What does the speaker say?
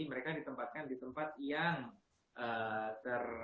mereka ditempatkan di tempat yang ter